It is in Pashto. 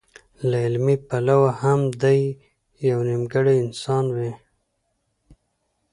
له عملي پلوه هم دی يو نيمګړی انسان وي.